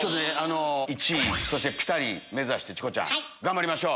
１位そしてピタリ目指してチコちゃん頑張りましょう！